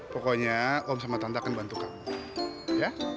pokoknya om sama tante akan bantu kamu